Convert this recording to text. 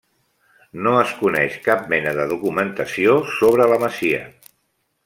No es coneix cap mena de documentació sobre la masia.